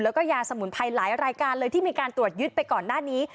แล้วก็ยาสมุนไพรหลายรายการเลยที่มีการตรวจยึดไปก่อนหน้านี้